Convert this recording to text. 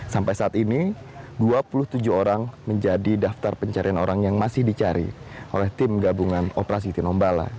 sampai saat ini dua puluh tujuh orang menjadi daftar pencarian orang yang masih dicari oleh tim gabungan operasi tinombala